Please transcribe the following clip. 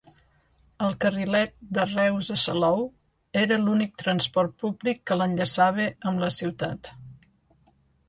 El Carrilet de Reus a Salou era l'únic transport públic que l'enllaçava amb la ciutat.